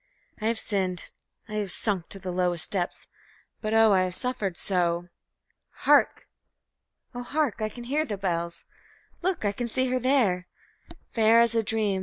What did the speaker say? I have sinned, I have sunk to the lowest depths but oh, I have suffered so! Hark! Oh, hark! I can hear the bells!... Look! I can see her there, Fair as a dream...